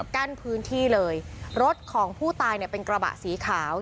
กั้นพื้นที่เลยรถของผู้ตายเนี่ยเป็นกระบะสีขาว